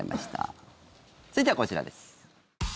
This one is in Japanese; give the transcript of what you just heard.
続いてはこちらです。